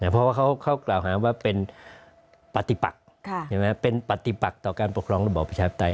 เพราะว่าเขากล่าวหาว่าเป็นปฏิปักเป็นปฏิปักต่อการปกครองระบอบประชาปไตย